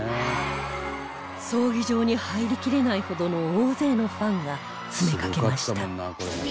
葬儀場に入りきれないほどの大勢のファンが詰めかけました